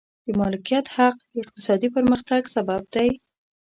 د مالکیت حق د اقتصادي پرمختګ سبب دی.